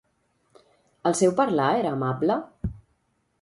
El seu parlar era amable?